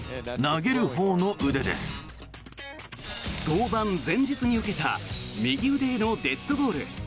登板前日に受けた右腕へのデッドボール。